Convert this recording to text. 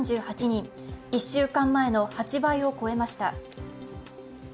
１週間前の８倍を超えました。